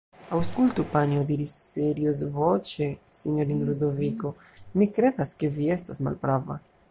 Aŭskultu, panjo, diris seriozvoĉe sinjorino Ludoviko; mi kredas ke vi estas malprava.